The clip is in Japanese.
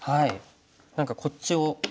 何かこっちを。